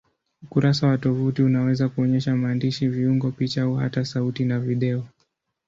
Ukurasa wa tovuti unaweza kuonyesha maandishi, viungo, picha au hata sauti na video.